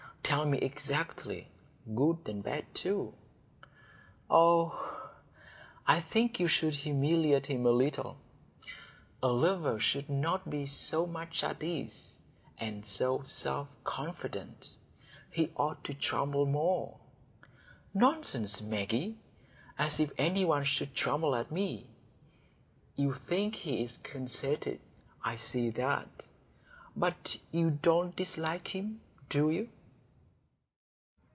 Tell me exactly; good and bad too." "Oh, I think you should humiliate him a little. A lover should not be so much at ease, and so self confident. He ought to tremble more." "Nonsense, Maggie! As if any one could tremble at me! You think he is conceited, I see that. But you don't dislike him, do you?"